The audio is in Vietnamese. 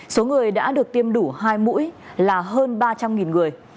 số người đã được tiêm đủ hai mũi là hơn ba trăm linh người